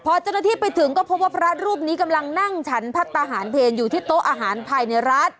พอเจ้าหน้าที่ไปถึงก็พบว่าพระรูปนี้กำลังนั่งฉันพัฒนาหารเพลอยู่ที่โต๊ะอาหารภายในร้าน